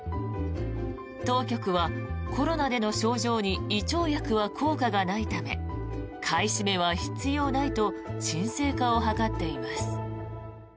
当局はコロナでの症状に胃腸薬は効果がないため買い占めは必要ないと鎮静化を図っています。